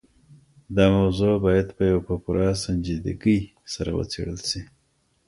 دا موضوع بايد په پوره سنجيدګۍ سره وڅېړل سي.